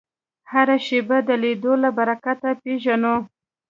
هره شېبه د لیدلو له برکته پېژنو